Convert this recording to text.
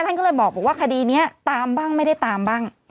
ท่านก็เลยบอกว่าคดีนี้ตามบ้างไม่ได้ตามบ้าง